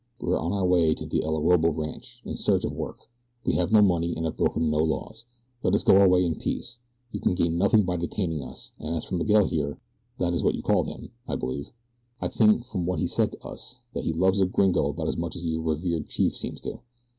We are on our way to the El Orobo Rancho in search of work. We have no money and have broken no laws. Let us go our way in peace. You can gain nothing by detaining us, and as for Miguel here that is what you called him, I believe I think from what he said to us that he loves a gringo about as much as your revered chief seems to."